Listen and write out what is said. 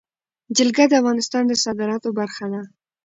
جلګه د افغانستان د صادراتو برخه ده.